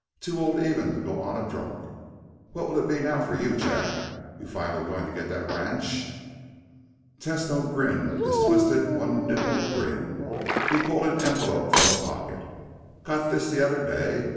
"Too old even to go on a drunk. What will it be now for you, Jack? You finally going to get to that ranch?" Tesno grinned his twisted, one dimple grin. He pulled an envelope from a pocket. "Got this the other day.